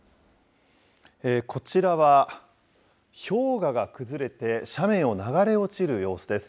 こちらは、氷河が崩れて、斜面を流れ落ちる様子です。